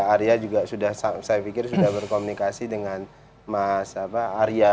arya juga sudah saya pikir sudah berkomunikasi dengan mas arya